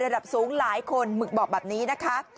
ระดับสูงหลายคนหมึกบอกแบบนี้นะคะ